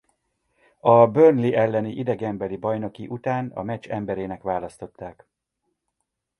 A Burnley elleni idegenbeli bajnoki után a meccs emberének választották.